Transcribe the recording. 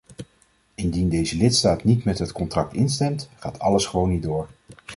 Indien deze lidstaat niet met het contract instemt, gaat alles gewoon niet door.